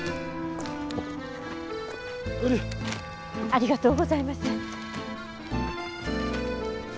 ありがとうございます。